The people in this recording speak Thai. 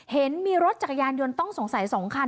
เห็นมีรถจักรยานยนต์ต้องสงสัย๒คัน